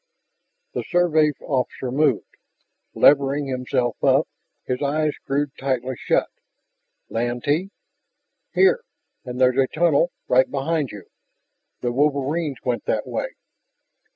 The Survey officer moved, levering himself up, his eyes screwed tightly shut. "Lantee?" "Here. And there's a tunnel right behind you. The wolverines went that way...."